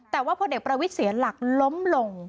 แต่ว่าพลเอกประวิทย์เสียหลักล้มลง